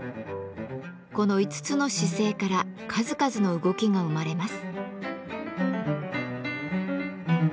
この５つの姿勢から数々の動きが生まれます。